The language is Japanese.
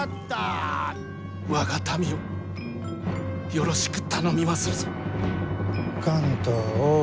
我が民をよろしく頼みまするぞ。